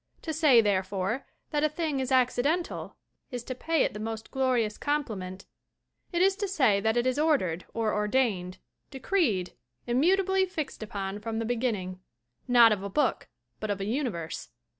To say, therefore, that a thing is accidental is to pay it the most glorious compliment. It is to say that it is ordered or ordained, decreed, immutably fixed upon from the Beginning not of a book but of a Universe.